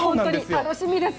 楽しみです！